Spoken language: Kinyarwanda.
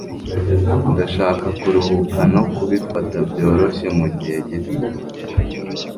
Ndashaka kuruhuka no kubifata byoroshye mugihe gito.